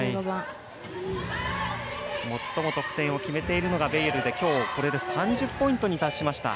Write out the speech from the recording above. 最も得点を決めているのがベイエルできょうこれで３０ポイントに達しました。